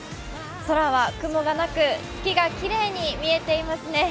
空は雲がなく、月がきれいに見えていますね。